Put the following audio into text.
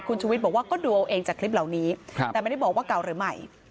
คุณชุวิตบอกว่าก็ดูเอาเองจากคลิปเหล่านี้แต่ไม่ได้บอกว่าเก่าหรือใหม่